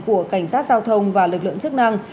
của cảnh sát giao thông và lực lượng chức năng